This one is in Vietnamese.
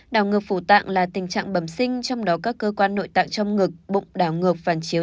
đào ngược phủ tạng là tình trạng bầm sinh trong đó các cơ quan nội tạng trong ngực bụng đào ngược phàn chiếu